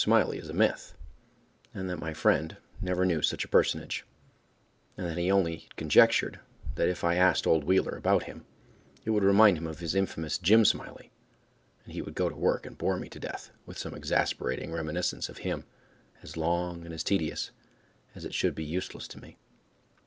_ Smiley is a myth; and that my friend never knew such a personage; and that he only conjectured that if I asked old Wheeler about him, it would remind him of his infamous Jim Smiley, and he would go to work and bore me to death with some exasperating reminiscence of him as long and as tedious as it should be useless to me.